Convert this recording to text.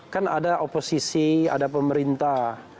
kan ada oposisi ada pemerintah